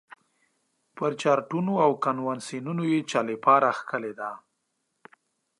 پر چارټرونو او کنونسینونو یې چلیپا راښکلې ده.